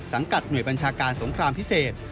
หน่วยบัญชาการสงครามพิเศษ